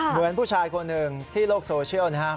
เหมือนผู้ชายคนหนึ่งที่โลกโซเชียลนะครับ